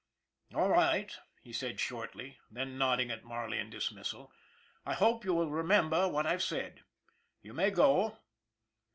" All right," he said shortly; then, nodding at Mar ley in dismissal :" I hope you will remember what I've said. You may go."